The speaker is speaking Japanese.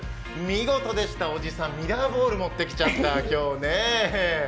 見事でした、おじさんミラーボール持ってきちゃった、今日ね。